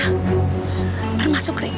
kamu apa apa sama dia